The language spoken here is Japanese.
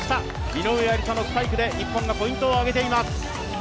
井上愛里沙のスパイクで日本がポイントを挙げています。